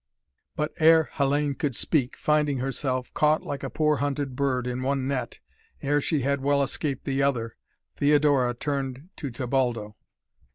But, ere Hellayne could speak, finding herself, caught like a poor hunted bird, in one net, ere she had well escaped the other, Theodora turned to Tebaldo.